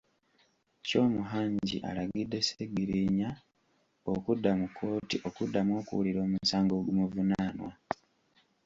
Kyomuhangi alagidde Sseggirinya okudda mu kkooti okuddamu okuwulira omusango ogumuvunaanwa.